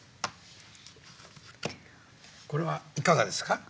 これはいかがですか？